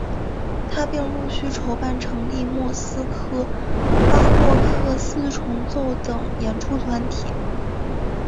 他并陆续筹办成立莫斯科巴洛克四重奏等演出团体。